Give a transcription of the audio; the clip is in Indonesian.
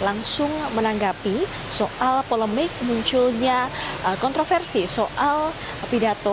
langsung menanggapi soal polemik munculnya kontroversi soal pidato